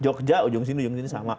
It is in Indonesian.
jogja ujung sini ujung sini sama